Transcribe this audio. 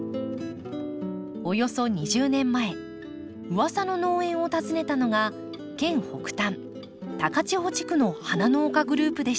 およそ２０年前うわさの農園を訪ねたのが県北端高千穂地区の花農家グループでした。